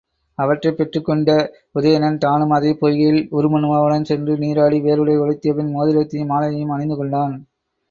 அவற்றைப் பெற்றுக்கொண்ட உதயணன் தானும் அதே பொய்கையில் உருமண்ணுவாவுடன் சென்று நீராடி, வேறுடை உடுத்தியபின் மோதிரத்தையும் மாலையையும் அணிந்துகொண்டான்.